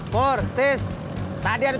hai purtis tadi ada siapa ya